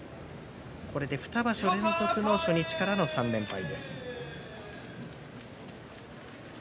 ２場所連続初日からの３連敗です。